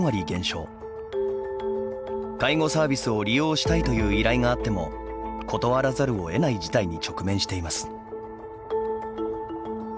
介護サービスを利用したいという依頼があっても断らざるをえない事態に直面しています。